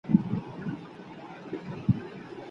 ولې افغان سوداګر طبي درمل له هند څخه واردوي؟